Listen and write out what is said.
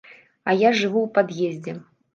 А я жыву ў пад'ездзе.